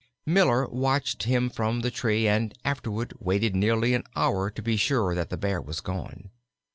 Miller watched him from the tree, and afterward waited nearly an hour to be sure that the Bear was gone.